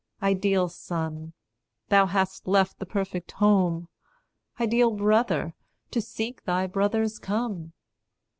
Ideal son, thou hast left the perfect home, Ideal brother, to seek thy brothers come!